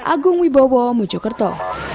agung wibowo mujukerto